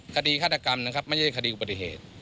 คดีฆัตกรรมไม่ใช่คดีปฏิเหตุ